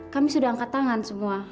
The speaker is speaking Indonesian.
kami sudah angkat tangan semua